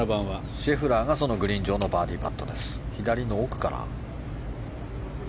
シェフラーがそのグリーン上のバーディーパット。